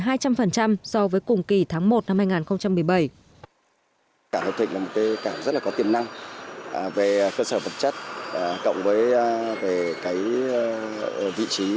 cảng hợp thịnh là một cái cảng rất là có tiềm năng về cơ sở vật chất cộng với cái vị trí